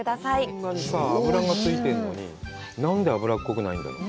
こんなに脂がついてるのに、何で脂っこくないんだろう。